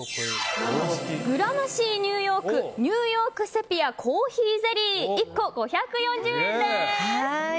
グラマシーニューヨークニューヨークセピアコーヒーゼリー１個、５４０円です。